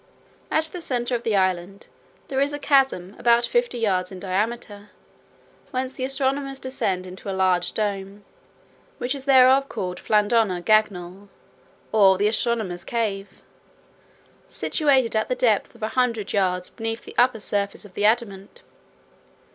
At the centre of the island there is a chasm about fifty yards in diameter, whence the astronomers descend into a large dome, which is therefore called flandona gagnole, or the astronomer's cave, situated at the depth of a hundred yards beneath the upper surface of the adamant.